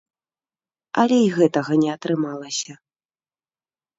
Але і гэтага не атрымалася.